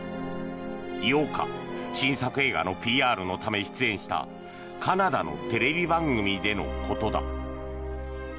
８日新作映画のＰＲのため出演したカナダのテレビ番組でのことだ。